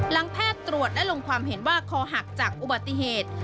แพทย์ตรวจได้ลงความเห็นว่าคอหักจากอุบัติเหตุ